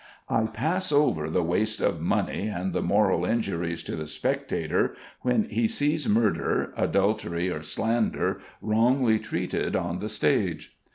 I pass over the waste of money and the moral injuries to the spectator when he sees murder, adultery, or slander wrongly treated on the stage.